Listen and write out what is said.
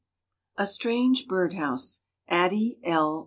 A STRANGE BIRD HOUSE. ADDIE L.